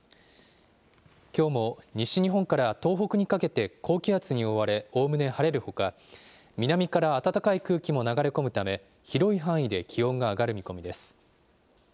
きょうも西日本から東北にかけて高気圧に覆われ、おおむね晴れるほか、南から暖かい空気も流れ込むため、広い範囲で気温が上がる見込みです。